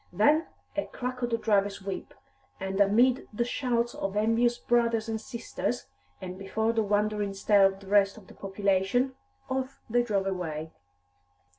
Then a crack of the driver's whip, and amid the shouts of envious brothers and sisters, and before the wondering stare of the rest of the population, off they drove away.